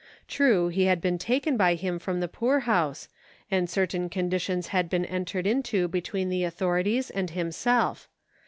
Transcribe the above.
True, he had been taken by him from the poorhouse, and certain conditions had been entered into between the authorities and himself.